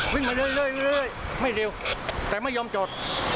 วิ่งมาเรื่อยไม่เร็วแต่ไม่ยอมจอด